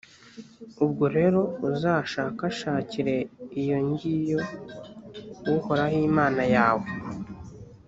ubwo rero uzashakashakire iyo ngiyo uhoraho imana yawe